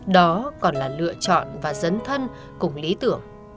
đó còn là lựa chọn và dấn thân cùng lý tưởng